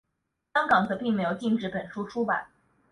香港则并没有禁止本书出版。